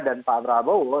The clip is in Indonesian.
dan pak prabowo